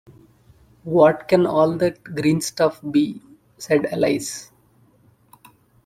‘What can all that green stuff be?’ said Alice.